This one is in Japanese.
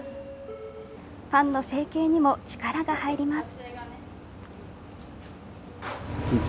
パンの成型にも力が入ります。